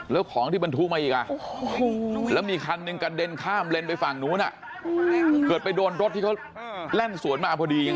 แล้วของที่บรรทุกมาอีกแล้วมีคันหนึ่งกระเด็นข้ามเลนไปฝั่งนู้นเกิดไปโดนรถที่เขาแล่นสวนมาพอดี